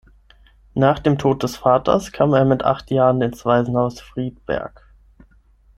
Nach dem Tod des Vaters kam er mit acht Jahren ins Waisenhaus Friedberg.